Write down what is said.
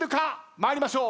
参りましょう。